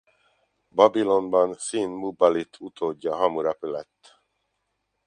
Babilonban Szín-muballit utódja Hammurapi lett.